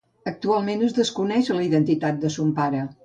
Actualment es desconeix la identitat de son pare.